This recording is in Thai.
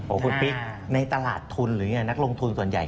คุณปิ๊กในตลาดทุนหรือนักลงทุนส่วนใหญ่